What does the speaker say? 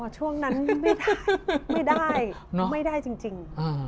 ช่วงนั้นไม่ได้ไม่ได้จริง